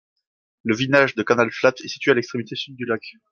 Le village de Canal Flats est situé à l'extrémité sud du lac.